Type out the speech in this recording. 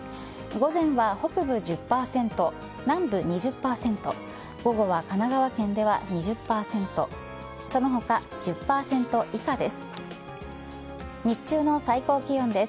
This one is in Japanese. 午前は北部１０％南部２０％午後は、神奈川県では２０％その他、１０％以下です。